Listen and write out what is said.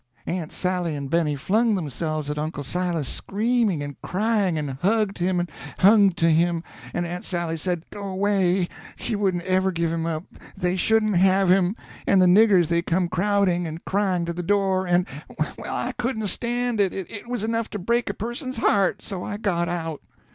Aunt Sally and Benny flung themselves at Uncle Silas, screaming and crying, and hugged him and hung to him, and Aunt Sally said go away, she wouldn't ever give him up, they shouldn't have him, and the niggers they come crowding and crying to the door and—well, I couldn't stand it; it was enough to break a person's heart; so I got out.